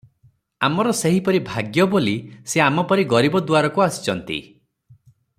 ଆମର ସେପରି ଭାଗ୍ୟବୋଲି ସେ ଆମପରି ଗରିବ ଦୁଆରକୁ ଆସିଚନ୍ତି ।